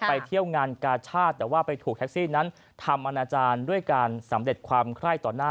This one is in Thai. ไปเที่ยวงานกาชาติแต่ว่าไปถูกแท็กซี่นั้นทำอนาจารย์ด้วยการสำเร็จความไคร้ต่อหน้า